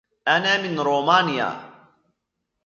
أنا من رومانيا.